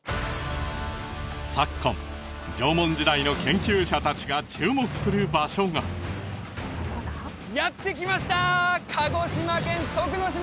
昨今縄文時代の研究者達が注目する場所がやって来ました鹿児島県徳之島！